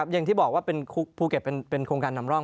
อย่างที่บอกว่าเป็นภูเก็ตเป็นโครงการนำร่อง